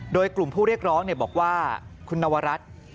โดยกลุ่มผู้เรียกร้องบอกว่าคุณนวรัฐ